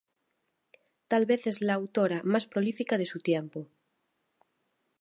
Tal vez es la autora más prolífica de su tiempo.